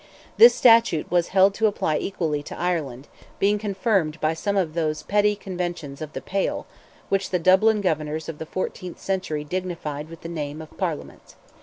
This statute was held to apply equally to Ireland, being confirmed by some of those petty conventions of "the Pale," which the Dublin Governors of the fourteenth century dignified with the name of Parliaments.